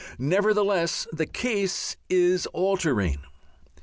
Nevertheless the case is altering.